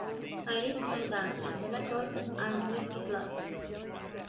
I left my bag in the locker and went to class.